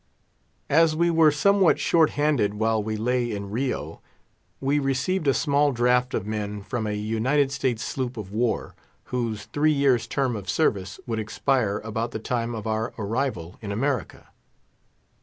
As we were somewhat short handed while we lay in Rio, we received a small draft of men from a United States sloop of war, whose three years' term of service would expire about the time of our arrival in America.